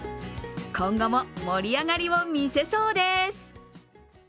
今後も盛り上がりをみせそうです。